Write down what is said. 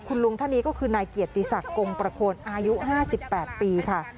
คุณลุงท่านนี้ก็คือนายเกียรติศักดิ์กงประโคนอายุ๕๘ปีค่ะ